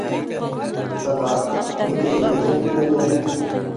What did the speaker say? Былар... ниндәйҙер эҙҙән килгәндәр...